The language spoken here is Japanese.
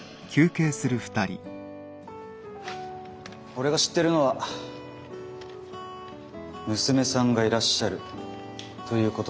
俺が知ってるのは娘さんがいらっしゃるということだけですが。